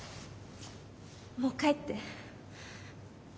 もう帰って。